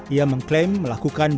ia mengklaim melakukan